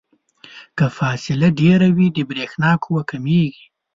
که فاصله ډیره وي د برېښنا قوه کمیږي.